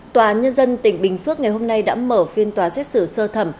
tòa án nhân dân tỉnh bình phước ngày hôm nay đã mở phiên tòa xét xử sơ thẩm